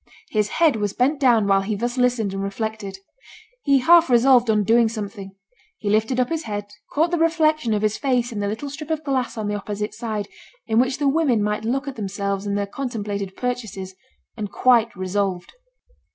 His head was bent down while he thus listened and reflected. He half resolved on doing something; he lifted up his head, caught the reflection of his face in the little strip of glass on the opposite side, in which the women might look at themselves in their contemplated purchases, and quite resolved.